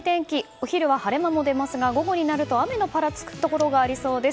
お昼は晴れ間も出ますが午後になると雨のぱらつくところがありそうです。